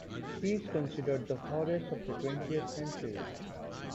He is considered the Horace of the twentieth century.